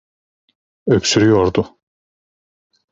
Öksürüyordu.